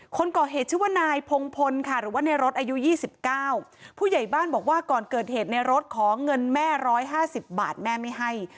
คนก่อเหตุชื่อว่านายพงพลค่ะหรือว่าในรถอายุ๒๙ผู้ใหญ่บ้านบอกว่าก่อนเกิดเหตุในรถขอเงินแม่๑๕๐บาทแม่ไม่ให้